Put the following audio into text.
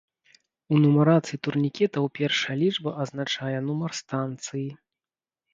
У нумарацыі турнікетаў першая лічба азначае нумар станцыі.